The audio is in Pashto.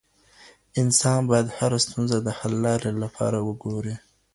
انسان باید هره ستونزه د حل لارې لپاره وګوري.